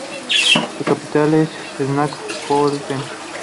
Su capital es Sankt Pölten.